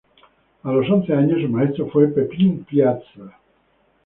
A los once años su maestro fue Pepín Piazza.